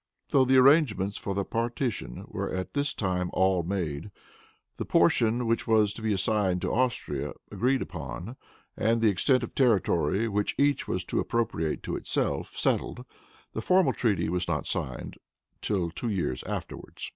Though the arrangements for the partition were at this time all made, the portion which was to be assigned to Austria agreed upon, and the extent of territory which each was to appropriate to itself settled, the formal treaty was not signed till two years afterwards.